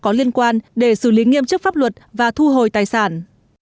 có liên quan để xử lý nghiêm chức pháp luật và thu hồi tài sản